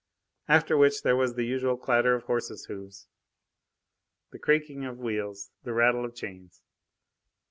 After which there was the usual clatter of horses' hoofs, the creaking of wheels, the rattle of chains.